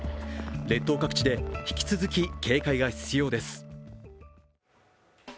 列島各地で引き続き警戒が必要です。